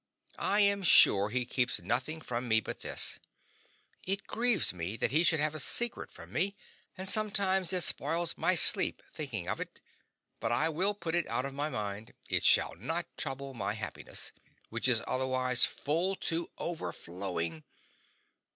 I am sure he keeps nothing from me but this. It grieves me that he should have a secret from me, and sometimes it spoils my sleep, thinking of it, but I will put it out of my mind; it shall not trouble my happiness, which is otherwise full to overflowing.